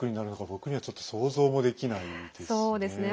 僕にはちょっと想像もできないですね。